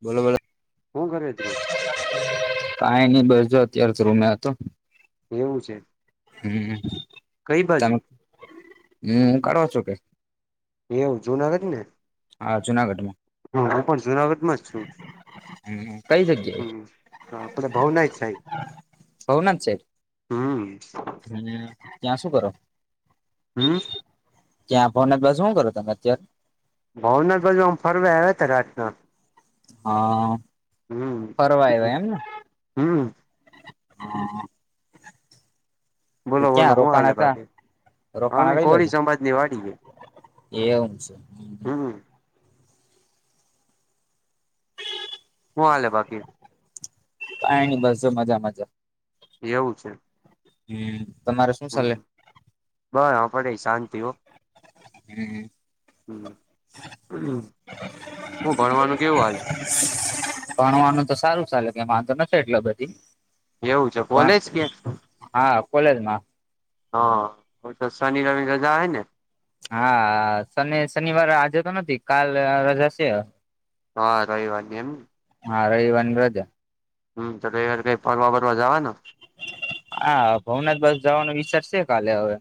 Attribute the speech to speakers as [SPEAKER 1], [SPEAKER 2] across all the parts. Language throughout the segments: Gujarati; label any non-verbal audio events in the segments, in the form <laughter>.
[SPEAKER 1] બોલો બોલો
[SPEAKER 2] હું ઘરું
[SPEAKER 1] કાં નહી બજો અત્ય્યારે તો રૂમે હતો
[SPEAKER 2] એવું છે
[SPEAKER 1] હમ
[SPEAKER 2] કઈ બાજુ
[SPEAKER 1] તમે હમ હું કાઢો છો કે
[SPEAKER 2] એવું જુનાગર ને
[SPEAKER 1] હા જુનાગઢમાં
[SPEAKER 2] હા હું પણ જુનાગતમાં છું
[SPEAKER 1] કઈ જગ્યાએ
[SPEAKER 2] હમ આપડે ભાવ ના છે
[SPEAKER 1] ભવનાથ સાહેબ હ ત્યાં શું કરો
[SPEAKER 2] હમ
[SPEAKER 1] ત્યાં ભોનથ બાસ શું કરો તમે અત્યારે
[SPEAKER 2] ભાવનાથ બાજુ આમ ફરવા આવ્યા ત રાતના
[SPEAKER 1] હા
[SPEAKER 2] હમ
[SPEAKER 1] ફરવા આવ એમને
[SPEAKER 2] હમ બોલો બોલો
[SPEAKER 1] ક્યાં
[SPEAKER 2] હું હાલે
[SPEAKER 1] રોકાણ ક્યા
[SPEAKER 2] બાકી
[SPEAKER 1] રોકાણ
[SPEAKER 2] અમે
[SPEAKER 1] કઈ બાજ
[SPEAKER 2] કોળી સમાજ ની વાડી છે
[SPEAKER 1] એવું છે
[SPEAKER 2] હમ હું હ આવેાલલે બાકીર
[SPEAKER 1] પાણી બસો મજા મજા
[SPEAKER 2] એવું છે
[SPEAKER 1] હમ તમારે શું
[SPEAKER 2] હમ
[SPEAKER 1] ચલે
[SPEAKER 2] બસ હ પડે શાંતિ હો
[SPEAKER 1] હમ
[SPEAKER 2] હ હું ભણવાનું કેવું હલે
[SPEAKER 1] ભણવાનું તો સારું ચાલે કે વાંધો ન છે એટલે બધી
[SPEAKER 2] એવું છે
[SPEAKER 1] પણ
[SPEAKER 2] બોલેજ કે
[SPEAKER 1] હા કોલે જમાં
[SPEAKER 2] હા ઓ તો શન ર રજા હૈ ને
[SPEAKER 1] હા શને શનિવાર આજે તો નથી કાલ રજા છે
[SPEAKER 2] હા રવવાની એમ
[SPEAKER 1] હા રહીવાન બ્રજે
[SPEAKER 2] હમ તો એ વાર કઈ ફરવા ફરવા જવા ને
[SPEAKER 1] હા ભવનાથ બસ જવાનો વિચાર છે કાલે હવે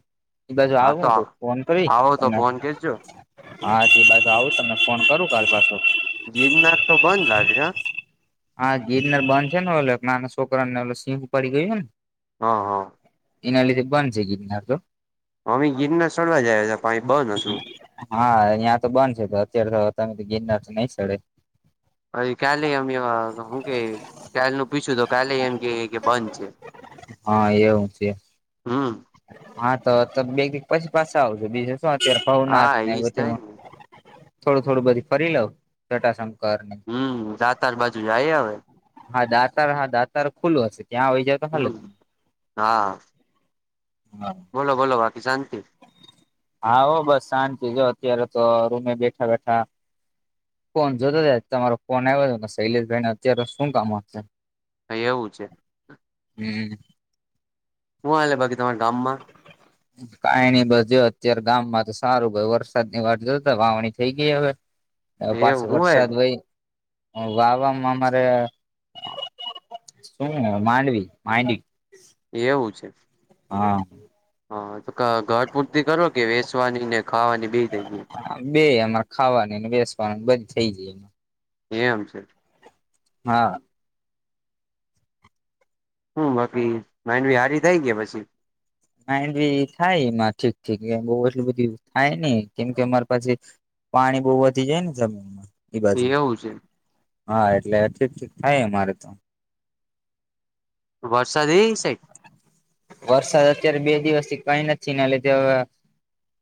[SPEAKER 1] બાજુ આવું તો ફોન કરી
[SPEAKER 2] આવો તો
[SPEAKER 1] તને
[SPEAKER 2] ફોન કરજો
[SPEAKER 1] હા એ બાસે આવું તમને ફોન કરું કાલ પાછો
[SPEAKER 2] ગના તો બંધ
[SPEAKER 1] હા ગીરનાર બંધ છે ને ઓલે નાના છોકરા ને ઓ સિંહ પડી ગયું ને
[SPEAKER 2] હા હા
[SPEAKER 1] એના લીધે બંધ છે ગીિનાર તો
[SPEAKER 2] અવે ગીરના સડવા જયા હતા પા બંધ હતું
[SPEAKER 1] હા અહં તો બંધ છે તો અત્યારે તો તમે તો ગિરનાર નઈ સડે
[SPEAKER 2] અ ક્યા લઈ વા કે કાલનું પીછું તો કાલે એમ કે કે બંધ છે.
[SPEAKER 1] હા એ હઉ છે
[SPEAKER 2] હમ
[SPEAKER 1] હા તો બે ક પછી પાછ આવજો બીજ શું અત્યારે ફવનાથ
[SPEAKER 2] હા
[SPEAKER 1] ને
[SPEAKER 2] એજ થાય
[SPEAKER 1] બધી
[SPEAKER 2] ને
[SPEAKER 1] થોડું થોડું બધી ફરી લવ જટાશંકર ને
[SPEAKER 2] હમ રાતાર બાજુ જાય હવે
[SPEAKER 1] હા દાતર હા દાતર ખુલ્ું હશે ત્યાં આવીઈ જ
[SPEAKER 2] હમ હા
[SPEAKER 1] હા
[SPEAKER 2] બોલો બોલો બાકી શાંત
[SPEAKER 1] હા હો બસ શાંતિ જો અત્યારે તો રૂમે બેઠા બેઠા ફોન જોતો જાય તમારો ફોન આવ્યો હતોને શૈલેષભાઈ ને અત્યારે શું કામશે
[SPEAKER 2] હ એવું છે
[SPEAKER 1] હમ
[SPEAKER 2] શું હલે બાકી તમારા ગામમાં
[SPEAKER 1] કઈ નની બસ જો અત્યારે ગામમાં તો સારું વરસાદની વાર જોતા વાવણી થઈ ગઈ હવે
[SPEAKER 2] <inaudible>
[SPEAKER 1] હ પાછ
[SPEAKER 2] એવું હું
[SPEAKER 1] વરસાદ ભાઈ હ વાવામાં અમારે શું માંડવી માંડવી
[SPEAKER 2] એવું છે
[SPEAKER 1] હા
[SPEAKER 2] હા તો ઘર પૂરતી કરો કે વેચવાની ને ખાવાની બે જઈએ
[SPEAKER 1] હ બે અમારે ખાવાની ને બેસવાનું બધી થઈ જાય એમાં
[SPEAKER 2] એમ છે
[SPEAKER 1] હા
[SPEAKER 2] હ બાકી માઇન્ડ બ હારી થઈ ગયા પછી
[SPEAKER 1] માડ બી થાયમાં ઠીક ઠીક બ એટલું બધું થાય નઈ કેમ કે અમારે પાસેી પાણી બહુ વધી જાય ને જમીન માં એઈ બાજુ
[SPEAKER 2] એવું છે
[SPEAKER 1] હા એટલે ઠીક ઠીક થાય અમારે તો
[SPEAKER 2] વર્સા દ સેટ
[SPEAKER 1] વરસાદ અત્યારે બે દિવસ થી કઈ નથી ને એટલે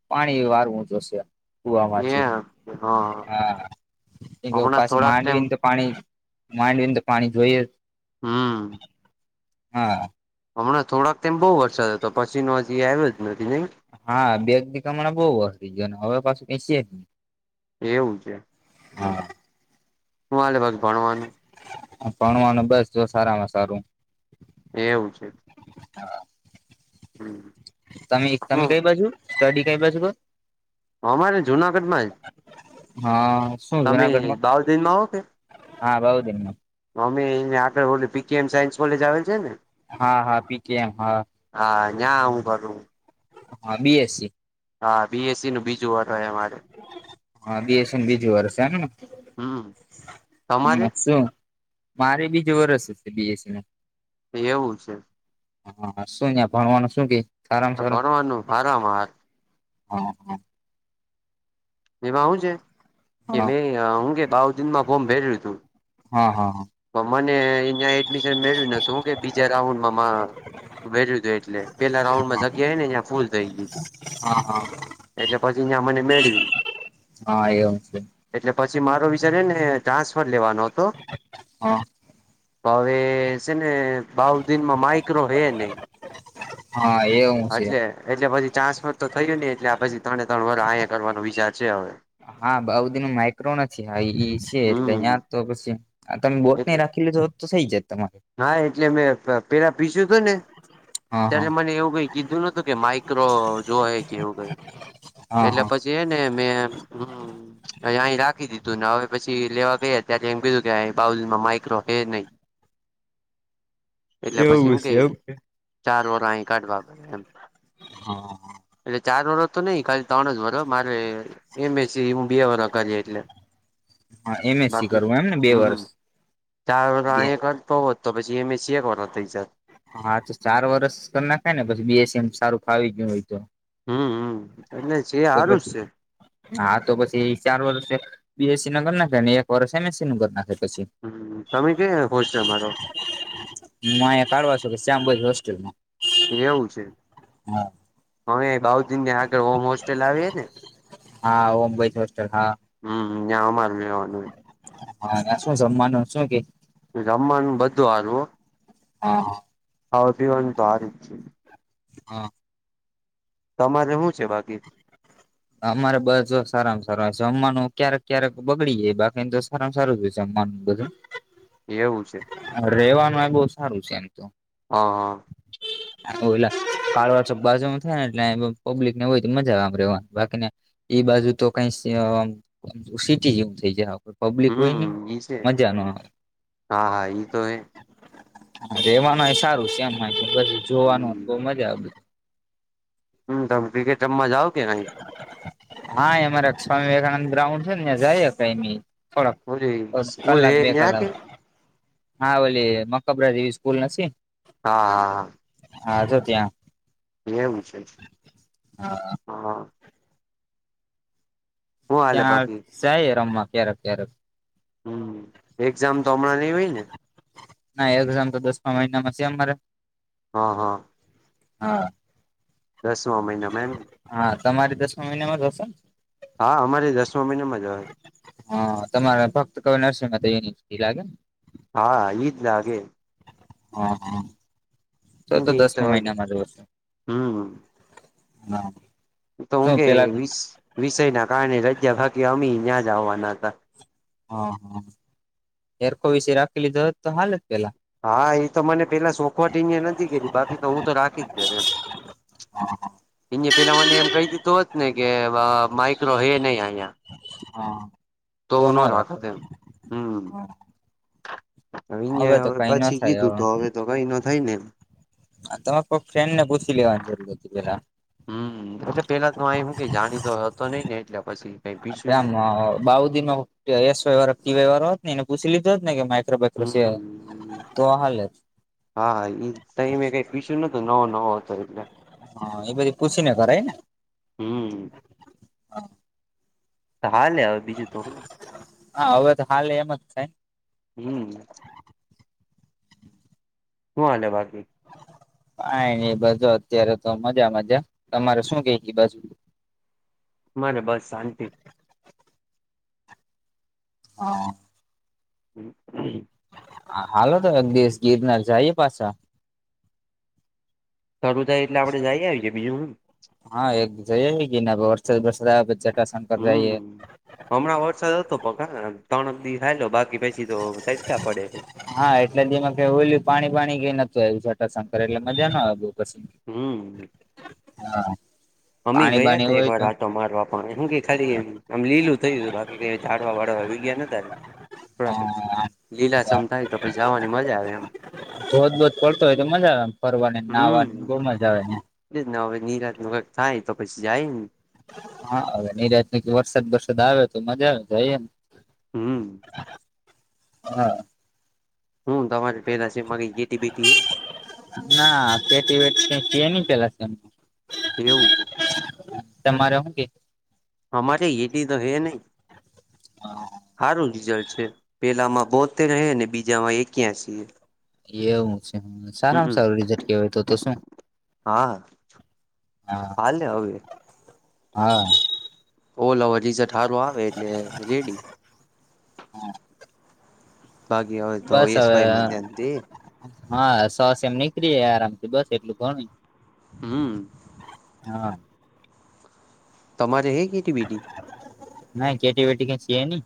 [SPEAKER 1] પાણી વારવું જોશે કુવામાં છે
[SPEAKER 2] એ હા
[SPEAKER 1] હા
[SPEAKER 2] હમણાં
[SPEAKER 1] પાછી
[SPEAKER 2] થોડાક ટાઈમ
[SPEAKER 1] માંડવીને તો પાણી માંડવીને તો પાણી જોઈએ
[SPEAKER 2] હમ
[SPEAKER 1] હા
[SPEAKER 2] હમણાં થોડાકમ બહુ વરસાદ હતો પછી નો હજી આવ્યો જ નથી નઈ
[SPEAKER 1] હા બેગ ની કામણા બહુ વસ્તી ગયો હવે પાું કઈ છેી જ
[SPEAKER 2] એવું છે
[SPEAKER 1] હા
[SPEAKER 2] શું આલે ભ ભણવાનું
[SPEAKER 1] ભણવાનું બસ જો સારા માં સારું
[SPEAKER 2] એવું છે
[SPEAKER 1] હા
[SPEAKER 2] હમ
[SPEAKER 1] તમે તમે કઈ બાજુ સ્ટડી કઈ બાજુ કર
[SPEAKER 2] અમારે જુનાગઢ માં જ
[SPEAKER 1] હા શું
[SPEAKER 2] તમે
[SPEAKER 1] જુનાગઢમાં હા બાઉ દન ન
[SPEAKER 2] મમ્મી એ આગળ ઓ પીકેએમ સાયન્સ કોલેજ આવેલ છે ને
[SPEAKER 1] હા હા પીકેએમ હા
[SPEAKER 2] હા ્યાં આવું કરું
[SPEAKER 1] હા બીએસસી
[SPEAKER 2] હા બી. એસ. સી નું બીજું વરહ હોય અમારે
[SPEAKER 1] હ બી. એસ. સી નું બીજું વરસ સે એમને
[SPEAKER 2] હમ
[SPEAKER 1] હમ
[SPEAKER 2] તમારે
[SPEAKER 1] સુ મારે બીજું વરસ હસે બી. એસ. સી નું
[SPEAKER 2] એવું છે
[SPEAKER 1] હા સુ ન્ય ભણવાનું શું કે સારામાં
[SPEAKER 2] તો ભણવાનું હારમ હારુ
[SPEAKER 1] ઓકે
[SPEAKER 2] એમાં હું છે કે
[SPEAKER 1] હા
[SPEAKER 2] મેં હું કે બાવ દિન માં ફોર્મ ભેર્યું તું
[SPEAKER 1] અ હ હ
[SPEAKER 2] પણ મને અંયા એડમિશન મેળવ્યું નતુ કે બીજા રાઉન્ડમાં મા ભર્યું તું એટલે પેલા રાઉન્ડ માં જગ્યા હેં ન્યા ફૂલ થઈ ગઈ
[SPEAKER 1] અ હા
[SPEAKER 2] એટલે પછી યા મને મેળવી
[SPEAKER 1] હા એ આવશે
[SPEAKER 2] એટલે પછી મારો વિચાર હેને ટ્રાન્સફર લેવાનો હતો
[SPEAKER 1] હ
[SPEAKER 2] અવે સેને બાઉ દીનમાં માઈક્રો હે નહ
[SPEAKER 1] હા એવું છે
[SPEAKER 2] એટલે એટલે પછી ચાન્સમાં તો થયું નને એટલે આ પછી તણે તણ વર અહીંયા કરવાનો વિચાર છે હવે
[SPEAKER 1] હા બાઉદિનો માઈક્રો નથી હ ઈ છે એટલે
[SPEAKER 2] હમ
[SPEAKER 1] યા તો પછી આ તમે બૉટની
[SPEAKER 2] એટલે
[SPEAKER 1] રાખી લીધું હોત તો થઈ જાત તમાર
[SPEAKER 2] હા એટલે મેં પ પેલા પીસ્યું તું ને
[SPEAKER 1] હા
[SPEAKER 2] ત્યારે
[SPEAKER 1] હા
[SPEAKER 2] મને એવું કંઈ કીધું નતું કે માઇક્રો જો એ કે એવું કંઈ
[SPEAKER 1] અ હ
[SPEAKER 2] જેને મે હમ અઇ અહી રાખી દીધું ને હવે પછી લેવા ગયા ત્યારે એમ કીધું કે એ બાઉલ માં માઈક્રો હે નહી એટલે પછી
[SPEAKER 1] એવું
[SPEAKER 2] હું કે
[SPEAKER 1] છે એમ
[SPEAKER 2] ચાર વરહી કાઢવા પઢશે
[SPEAKER 1] હા
[SPEAKER 2] એટલે ચાર વરહ તો નઈ ખાલી તણ જ વરહ મારે એમ. એસ. સી હું બે વરહ કરી એટલે
[SPEAKER 1] એમએસસી
[SPEAKER 2] બાકી
[SPEAKER 1] કરવું એમને બે
[SPEAKER 2] હમ હમ
[SPEAKER 1] વર્ષ
[SPEAKER 2] ચાર
[SPEAKER 1] બે
[SPEAKER 2] વરહ કર તો તો પછી એમ. એસ. સી એક વરહ થઈ જાત
[SPEAKER 1] હા તો ચાર વરસ કર નાખાઈ ને પછી બી. એસ. સી મ સારું ફાવી ગયું હોય તો
[SPEAKER 2] હમ હમ એટલે છે
[SPEAKER 1] તો
[SPEAKER 2] સારું જ
[SPEAKER 1] પછી
[SPEAKER 2] છે
[SPEAKER 1] હા તો પછી ચાર વર્ષ બી. એસ. સી ના કર નાખે ને એક વર્ષ એમ. એસ. સી નું કર નાખે પછી
[SPEAKER 2] હ તમે કઈ હોસ્ટેલ માં રો છો
[SPEAKER 1] હું અંયા કાઢવા ચોકડી શ્યામ બોઇઝ હોસ્ટેલ માં
[SPEAKER 2] એવું છે અવે બાઉ દિન ની આગળ ઓમ હોસ્ટેલ આવી હેને
[SPEAKER 1] હા ઓમ બોયઝ હોસ્ટેલ હા
[SPEAKER 2] હમ ન્યા અમાર રેવાનું હ
[SPEAKER 1] હા ન્યા સુ જમવાનું શું કે
[SPEAKER 2] જમમાંનું બધું હારું હો
[SPEAKER 1] હ
[SPEAKER 2] ફાવતી હોઈન તો હારુ
[SPEAKER 1] હા
[SPEAKER 2] તમારે હું છે બાકી
[SPEAKER 1] અમારે બસ જો સારામ સારું હો છે જમવાનું ક્યારેક ક્યારેક બગડી જાય બાકીન તો સારામ સારું હોય જમવાનું બધું
[SPEAKER 2] એવું છે
[SPEAKER 1] રેવાનું આ બહ સારું છે એમ તો
[SPEAKER 2] હા હા
[SPEAKER 1] કાળવા ચોક બાજુમાં થાય ને એટલે પબ્લિક ને હોય તો મજા આવે રેવાની બાકીને એ બાજુ તો કઈ સીટી જેવું થઈ જાય પબ્લિક હોય ને
[SPEAKER 2] હમ ઈ છે
[SPEAKER 1] મજા ન આવે
[SPEAKER 2] હા હા એઈ તો હૈ
[SPEAKER 1] હા રેવાનુંય સારું છે એમછ જોવાનું બઉ
[SPEAKER 2] હમ
[SPEAKER 1] મજા આવે
[SPEAKER 2] હમ તમે ક્રીકેટ રમવા જાઓ કે નહીં
[SPEAKER 1] હા એમાંરે સ્વામી વિવેકાનંદ ગ્રાઉન્ડ છે ને્યા જઈ એ
[SPEAKER 2] ઓલી
[SPEAKER 1] થોડક
[SPEAKER 2] સ્કૂલ
[SPEAKER 1] કલાક
[SPEAKER 2] હે
[SPEAKER 1] બે
[SPEAKER 2] ન્યા કે
[SPEAKER 1] કલાક હા ઓલી મકબરા જેવી સ્કૂલ નથી?
[SPEAKER 2] હા હા હા
[SPEAKER 1] હા જો ત્યાં
[SPEAKER 2] એમ છે
[SPEAKER 1] હા
[SPEAKER 2] હા હ હું હાલે
[SPEAKER 1] ત્યાં
[SPEAKER 2] બાકી
[SPEAKER 1] જાય રમવા ક્યારેક ક્યારેક
[SPEAKER 2] હમ એક્ઝામ તો હમણાં નઈ હોય ને?
[SPEAKER 1] ના એક્ઝામ તો દસમાં મહિનામાં છે મારે
[SPEAKER 2] હા હા
[SPEAKER 1] હા
[SPEAKER 2] દસવા મહિનામાં ને
[SPEAKER 1] હા તમારી દસમા મહિનામાં જ હશે?
[SPEAKER 2] હા અમારી દસમા મહિનામાં જ હોય
[SPEAKER 1] હા તમારે ફક્ત ક નરસિંગ માં તો યુનિવર્સિટી લાગે ને
[SPEAKER 2] હા ઈજ લાગે
[SPEAKER 1] હા હા તો
[SPEAKER 2] હું
[SPEAKER 1] તો
[SPEAKER 2] કે ઈ
[SPEAKER 1] દસમ
[SPEAKER 2] હલે.
[SPEAKER 1] મહિનામાં જ હોય
[SPEAKER 2] હમ
[SPEAKER 1] ના
[SPEAKER 2] તો હું કે વિષય ના કારણે રજા રાકી અમી ન્યાં જ આવવાના હતા
[SPEAKER 1] હ હા હેરખો વિશે રાખેલી જ તો હાલ જ પેલા
[SPEAKER 2] હા એ તો મને પેલા સોખવટ અ નથી કેતી બાકી તો હું તો રાખી જ દેત એમ
[SPEAKER 1] હ
[SPEAKER 2] એણે. પેલા મને એમ કહી દીધું હોત ને કે માઈક્રો હે નહીઅહિ
[SPEAKER 1] હા
[SPEAKER 2] તોહુ
[SPEAKER 1] તો
[SPEAKER 2] ન
[SPEAKER 1] રાખે
[SPEAKER 2] રાખત એમ હમ હવે
[SPEAKER 1] તો
[SPEAKER 2] અહીંયા
[SPEAKER 1] કઈ ન
[SPEAKER 2] પછી
[SPEAKER 1] થાય
[SPEAKER 2] કીધું તો હવે તો કઈ ન થઈ ને એમ.
[SPEAKER 1] હ તમારે કોઈક ફ્રેન્ડ ને પૂછી લેવાની જરૂર હતી પેલા
[SPEAKER 2] હમ એટલે પેલા તો આ હું કે જાણીતો હતો નઈિ ને એટલે પછી કઈ
[SPEAKER 1] આપ
[SPEAKER 2] પીછું
[SPEAKER 1] આમ
[SPEAKER 2] નહી.
[SPEAKER 1] બાઉદી માં એસ વાય વાળા કે ટીવાય વાળા ને એને પૂછી લીધું હોત ને કે મા
[SPEAKER 2] હમ
[SPEAKER 1] તો હાલ
[SPEAKER 2] હા એ ટાઈમે કઈ પુછ્યું નતું નવો નવો હતો એટલે
[SPEAKER 1] હા એ બધું પૂછીને કરાય ને
[SPEAKER 2] હમ હાલે આવે બીજું તોોડું
[SPEAKER 1] હા હવેતો હાલે એમજ થાય
[SPEAKER 2] હમ હું હાલે બાકી
[SPEAKER 1] કઈ નઈ બધુ અત્યારે તો મજા મજા તમારે શું કે બાજુ
[SPEAKER 2] મારે બસ શાંતિ
[SPEAKER 1] હા
[SPEAKER 2] હ
[SPEAKER 1] હા હાલો તો એક દિવસ ગિરનાર જઈએ પાછા
[SPEAKER 2] શરૂું થાય એટલે આપડે જઈ આવીએ બીજું હું
[SPEAKER 1] હા એક જઈ ગી ને વરસાદ વરસાદ આ જટશં કર જઈએ
[SPEAKER 2] હમ હમણાં વરસાદ હતો પકા ત્રણ દી હાયલો બાકી પછી તો ત ક્યાં પડે છે
[SPEAKER 1] હા એટલે જે એમાં ક ઓલું પાણી પાણી કઈ નતું આવ્યું છેટાશંકર એટલે મજા ન આવું પછી હા
[SPEAKER 2] મમ્મી ગયા તા એક વાર આટો મારવા પણ એમ કે ખાલી આમ લીલું થયું હતું બાકી ઝાડવા બાળડવા વઈ ગયા નતા ને
[SPEAKER 1] ના...
[SPEAKER 2] લીલાસમ થાય તો પછી જવાની મજા આવે એમ
[SPEAKER 1] ધોધ બોધ પડતો હોય તો મજા આવેને ફરવાની
[SPEAKER 2] હમ
[SPEAKER 1] નાહવાનીને બહુ મજા આવે ને
[SPEAKER 2] એ જ ને હવે નિરાત ન કક થાય તો પછી જાય ને
[SPEAKER 1] હા હવે નિરાત ન વરસાદ વરસાદ આવે્યો તો મજા આવે તોઈ ને
[SPEAKER 2] હમ
[SPEAKER 1] હા
[SPEAKER 2] હું તમારે પેલાશે મરી જેેટી બીટી
[SPEAKER 1] ના પેટી વેટી કઈ ન પેલા છે એમ
[SPEAKER 2] એવું છે
[SPEAKER 1] તમારે હું કે
[SPEAKER 2] અમારે એટી તો હે નહી હારું રિઝલ્ટ છે પેલામાં બોતેર હે અને બીજામાં એક્યાસી
[SPEAKER 1] એવું છે
[SPEAKER 2] હે
[SPEAKER 1] સારામાં
[SPEAKER 2] હમમ
[SPEAKER 1] સારું રીઝલ્ટ કેવાય તો તો શું
[SPEAKER 2] હા
[SPEAKER 1] હા
[SPEAKER 2] હાલે હવે
[SPEAKER 1] હા
[SPEAKER 2] ઓલવ રિઝલ્ટ હારુ આવે એટલે રેડી બાકી હો તો
[SPEAKER 1] બસ
[SPEAKER 2] એસ
[SPEAKER 1] હવે
[SPEAKER 2] વાય માં ધ્યાન દે
[SPEAKER 1] હા સો સૈમ એમ નીકળી જાય આરામથી બસ એટલું ભણું
[SPEAKER 2] હમ
[SPEAKER 1] હા
[SPEAKER 2] તમારે હે કેટી બેટી?
[SPEAKER 1] ના એટી બેેટી કઈ છે નઈ.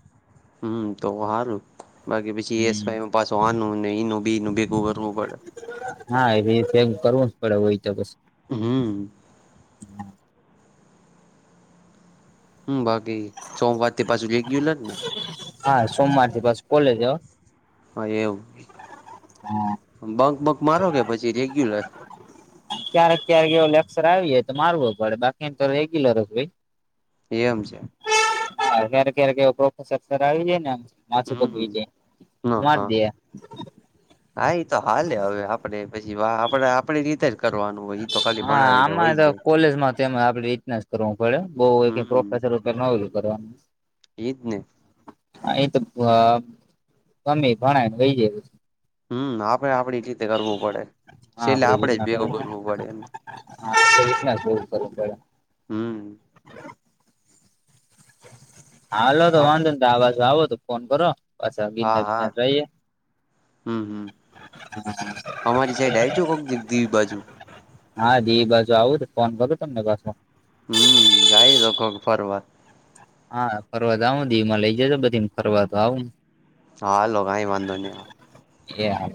[SPEAKER 2] હમ તો સારું, બાકી પછી એસ વાય
[SPEAKER 1] હમ
[SPEAKER 2] માં પાછું આનું એનું બેય ભેગું કરવું પડે.
[SPEAKER 1] હા એમ કરવું જ પડે હોય તો બસ'ઔ
[SPEAKER 2] હમ, ! હમ બાકી સોમવાર થી પાછું રેગ્યુલર?
[SPEAKER 1] હા સોમવારથી પાસું કોલેજ હા
[SPEAKER 2] હા એવું બંક બંક મારો કે પછી રેગ્યુલર?
[SPEAKER 1] ક્યારેક ક્યારેક એવો લેક્સર આવી જાય તો મારવો પડે બાકી એમ તો રેગ્યુલર જ હોય.
[SPEAKER 2] એમ છે.?
[SPEAKER 1] હા ક્યારે ક્યારે કે પ્રોફેસર સર આવી જાય ને માથું
[SPEAKER 2] હમ
[SPEAKER 1] પકવી દો તો
[SPEAKER 2] હા હા
[SPEAKER 1] મારી દે.
[SPEAKER 2] હા એ તો હાલે હવે આપણે પછી આપ આપડી રીતે જ કરવાનું હોય. ઈ તો ખાલી
[SPEAKER 1] હા
[SPEAKER 2] ભણાવીને
[SPEAKER 1] આમાં
[SPEAKER 2] વહી
[SPEAKER 1] તો
[SPEAKER 2] જાય
[SPEAKER 1] કોલેજમાં તેમ આપડે રીતના જ કરવું પડે બહું પ્રોફેસર બનાવું છું કરવાનું.
[SPEAKER 2] ઈજને
[SPEAKER 1] હા એ તો ગમે ભણાય વઈ જાય.
[SPEAKER 2] હમ આપડે આપડી રીતે કરવું પડે
[SPEAKER 1] હા
[SPEAKER 2] છેલ્લે
[SPEAKER 1] આપડે
[SPEAKER 2] આપણેે
[SPEAKER 1] રીતના
[SPEAKER 2] જ ભેગું કરવું પડે એ
[SPEAKER 1] હા ન કરવું પડે.
[SPEAKER 2] હમ
[SPEAKER 1] હાલો તો
[SPEAKER 2] હા
[SPEAKER 1] વાંધો તો આ બાજુ આવો તો ફોન કરો પાછા
[SPEAKER 2] હા
[SPEAKER 1] ગિરનાર
[SPEAKER 2] હા
[SPEAKER 1] વિરનાર જાયે.
[SPEAKER 2] હમ હમ અમારી સાઈડ આવીજુ કોક દિ દિવ બાજુ
[SPEAKER 1] હા દીવ બાજુ આવું ફોન કરું તમને પાસો.
[SPEAKER 2] હમ જાય તો <inaudible> ખ ફરવાર
[SPEAKER 1] હા ફરવા જાહુ દીવ મા લઇ જજો બધી ફરવા તો આવુ.
[SPEAKER 2] હા હાલ, ગાાઈ વાંધો નઈ.
[SPEAKER 1] એ હા,